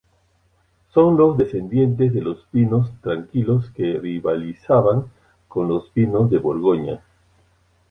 Son los descendientes de los vinos tranquilos que rivalizaban con los vinos de Borgoña.